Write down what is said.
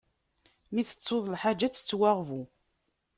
Mi tettuḍ lḥaǧa, ad tettwaɣbu.